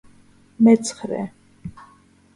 მეცხრე.